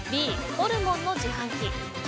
Ｂ、ホルモンの自販機。